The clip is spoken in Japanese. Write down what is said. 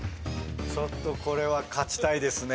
ちょっとこれは勝ちたいですね